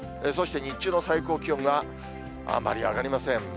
そして、日中の最高気温が、あんまり上がりません。